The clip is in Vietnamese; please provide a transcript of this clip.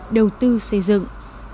đầu tư xây dựng